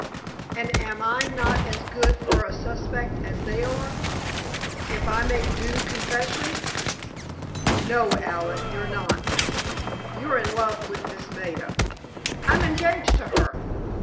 "And am I not as good for a suspect as they are—if I make due confession?" "No, Allen, you're not. You're in love with Miss Maida——" "I'm engaged to her!"